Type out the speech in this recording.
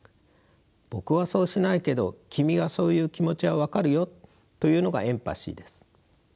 僕はそうしないけど君がそう言う気持ちは分かるよというのがエンパシーです。